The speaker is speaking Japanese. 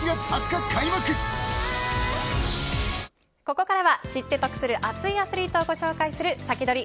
ここからは知って得する熱いアスリートをご紹介するサキドリ！